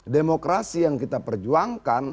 demokrasi yang kita perjuangkan